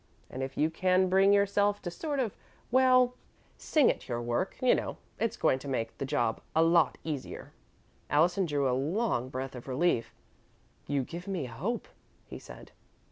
And if you can bring yourself to sort of well, sing at your work, you know, it's going to make the job a lot easier." Allison drew a long breath of relief. "You give me hope," he said.